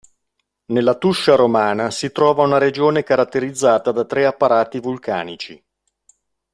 Nella Tuscia romana si trova una regione caratterizzata da tre apparati vulcanici.